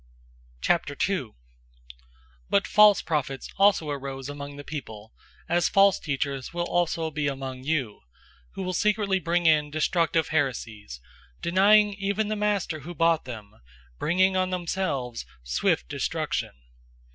002:001 But false prophets also arose among the people, as false teachers will also be among you, who will secretly bring in destructive heresies, denying even the Master who bought them, bringing on themselves swift destruction.